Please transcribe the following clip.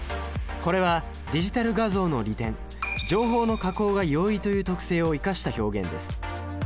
これはディジタル画像の利点情報の加工が容易という特性を生かした表現です。